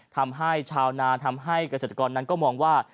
ทำให้ชาวนาทำให้เกษตรกรนั้นก็มองว่า